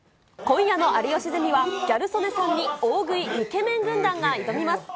今夜の有吉ゼミは、ギャル曽根さんに大食いイケメン軍団が挑みます。